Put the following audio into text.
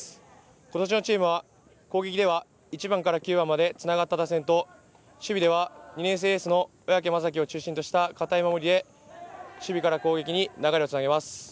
今年のチームは、攻撃では１番から９番までつながった打線と守備では２年生エースの小宅雅己を中心とした堅い守りで守備から攻撃に流れをつなげます。